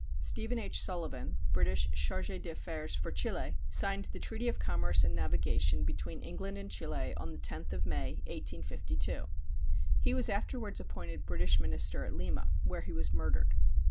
Stephen H. Sullivan, British chargé d'affaires for Chile, signed the treaty of commerce and navigation between England and Chile on the 10th of May, 1852. He was afterwards appointed British minister at Lima, where he was murdered.